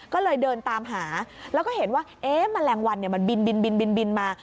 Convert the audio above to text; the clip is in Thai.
ก็เลยเดินตามหาแล้วก็เห็นว่าแมลงวันมันบินมา